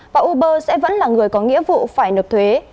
và uber sẽ vẫn là người có nghĩa vụ phải nộp thuế